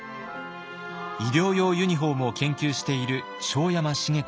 医療用ユニフォームを研究している庄山茂子さん。